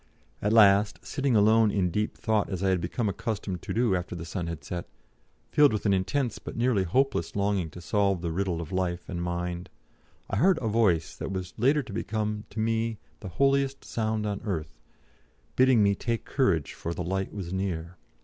At last, sitting alone in deep thought as I had become accustomed to do after the sun had set, filled with an intense but nearly hopeless longing to solve the riddle of life and mind, I heard a Voice that was later to become to me the holiest sound on earth, bidding me take courage for the light was near.